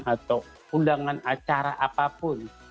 atau undangan acara apapun